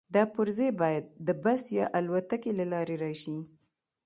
دا پرزې باید د بس یا الوتکې له لارې راشي